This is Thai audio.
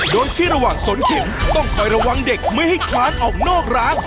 โดยที่ระหว่างสนเข็มต้องคอยระวังเด็กไม่ให้คลานออกนอกร้าน